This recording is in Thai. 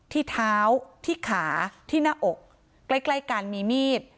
ที่เท้าที่ขาที่หน้าอกใกล้กันมีมีด